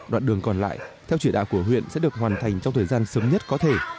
đoạn đường còn lại theo chỉ đạo của huyện sẽ được hoàn thành trong thời gian sớm nhất có thể